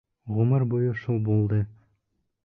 Ғүмер буйы шул булды!